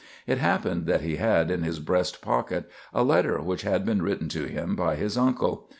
It happened that he had in his breast pocket a letter which had been written to him by his uncle.